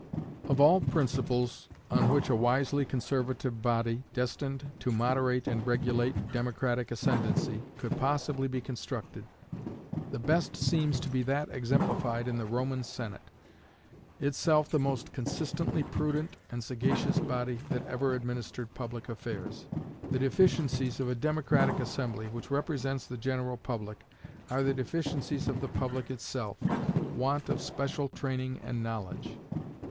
Of all principles on which a wisely conservative body, destined to moderate and regulate democratic ascendancy, could possibly be constructed, the best seems to be that exemplified in the Roman Senate, itself the most consistently prudent and sagacious body that ever administered public affairs. The deficiencies of a democratic assembly, which represents the general public, are the deficiencies of the public itself, want of special training and knowledge.